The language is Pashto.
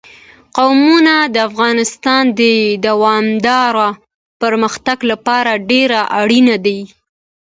قومونه د افغانستان د دوامداره پرمختګ لپاره ډېر اړین دي.